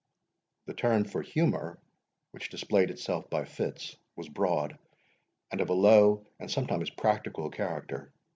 The turn for humour, which displayed itself by fits, was broad, and of a low, and sometimes practical character.